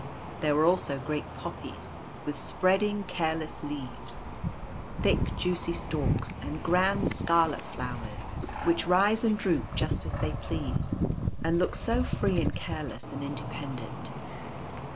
There were also great Poppies, with spreading, careless leaves, thick juicy stalks, and grand scarlet flowers, which A New Brother. 1 65 rise and droop just as they please, and look so free and careless and independent.